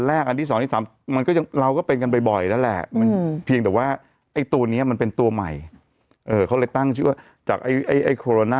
ไอ้โคโรนาไวรัสเนี่ยเปลี่ยนมาเป็นไอ้ตัวโควิดเนี่ยแหละ